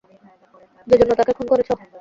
সেজন্য তাকে খুন করেছ?